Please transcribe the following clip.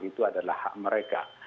itu adalah hak mereka